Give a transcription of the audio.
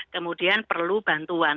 kemudian perlu bantuan